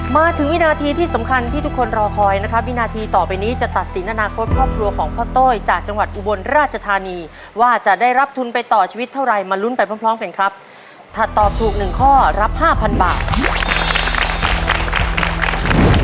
มาถึงวินาทีที่สำคัญที่ทุกคนรอคอยนะครับวินาทีต่อไปนี้จะตัดสินอนาคตครอบครัวของพ่อโต้ยจากจังหวัดอุบลราชธานีว่าจะได้รับทุนไปต่อชีวิตเท่าไรมาลุ้นไปพร้อมพร้อมกันครับถ้าตอบถูกหนึ่งข้อรับห้าพันบาท